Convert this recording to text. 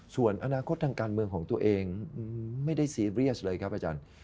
ส่วนอนาคตทางการเมืองของตัวเองไม่ได้ซีเรียสเลยครับอาจารย์